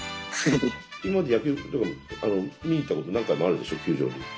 今まで野球とか見に行ったこと何回もあるでしょ球場に。